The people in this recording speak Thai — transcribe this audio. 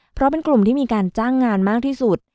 เพราะเป็นกลุ่มที่มีการจ้างงานมากที่สุด